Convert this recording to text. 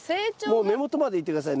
もう根元までいって下さい。